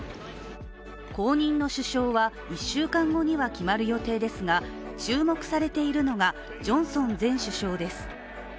後任の首相は１週間後には決まる予定ですが注目されているのがジョンソン前首相です。